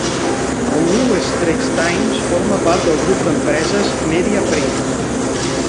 El "New Straits Times" forma part del grup d'empreses "Media Prima".